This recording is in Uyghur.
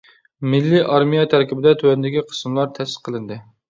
مىللىي ئارمىيە تەركىبىدە تۆۋەندىكى قىسىملار تەسىس قىلىندى.